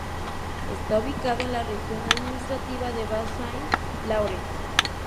Está ubicado en la región administrativa de Bas-Saint-Laurent.